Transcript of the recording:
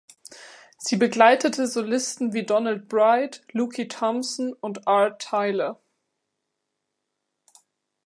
Sie begleitete Solisten wie Donald Byrd, Lucky Thompson und Art Taylor.